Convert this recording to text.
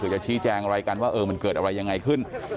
จะชี้แจ้งว่าเออมันเกิดอะไรยังไงขึ้น